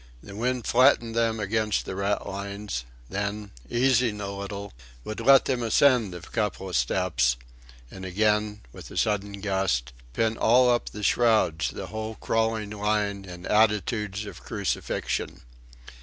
The wind flattened them against the ratlines; then, easing a little, would let them ascend a couple of steps; and again, with a sudden gust, pin all up the shrouds the whole crawling line in attitudes of crucifixion.